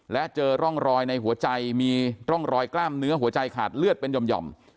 และเจอร่องรอยในหัวใจมีร่องรอยกล้ามเนื้อหัวใจขาดเลือดเป็นหย่อม